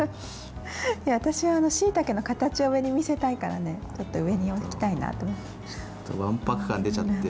私はしいたけの形を上に見せたいからね上に置きたいなと思って。